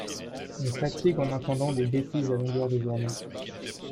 on fatigue en entendant des bétises à longueur de journée.